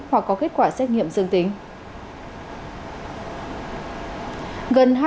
hoặc có kết quả xét nghiệm dương tính